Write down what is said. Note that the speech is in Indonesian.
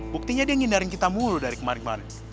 buktinya dia ngindarin kita mulu dari kemarin kemarin